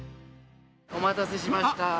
おまたせしました。